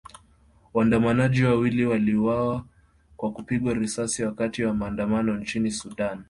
Waandamanaji wawili waliuawa kwa kupigwa risasi wakati wa maandamano nchini Sudan